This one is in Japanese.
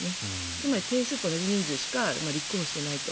つまり定数と同じ人数しか立候補していないと。